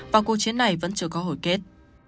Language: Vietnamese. và cuộc chiến này vẫn chưa có hồi kết